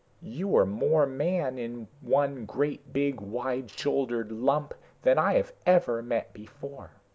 You are more man, in one great big wide shouldered lump, than I have ever met before.